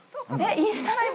インスタライブ？